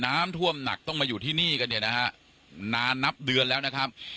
น้ำท่วมหนักต้องมาอยู่ที่นี่กันเนี่ยนะฮะนานนับเดือนแล้วนะครับ